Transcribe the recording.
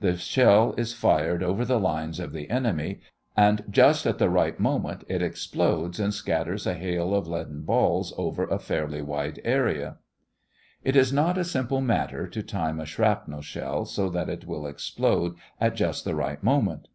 The shell is fired over the lines of the enemy, and just at the right moment it explodes and scatters a hail of leaden balls over a fairly wide area. It is not a simple matter to time a shrapnel shell so that it will explode at just the right moment.